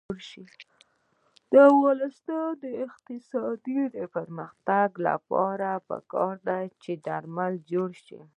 د افغانستان د اقتصادي پرمختګ لپاره پکار ده چې درمل جوړ شي.